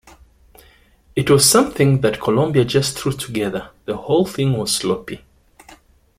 It was something that Columbia just threw together...The whole thing was sloppy.